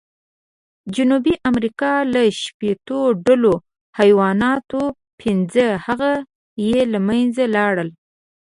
د جنوبي امریکا له شپېتو ډولو حیواناتو، پینځه هغه یې له منځه لاړل.